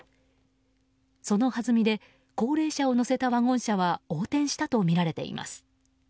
そのはずみで高齢者を乗せたワゴン車は横転したとみられています。